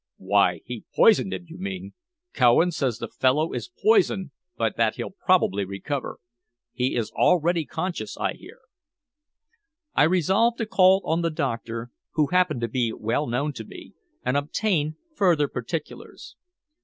"Why he poisoned him, you mean. Cowan says the fellow is poisoned, but that he'll probably recover. He is already conscious, I hear." I resolved to call on the doctor, who happened to be well known to me, and obtain further particulars.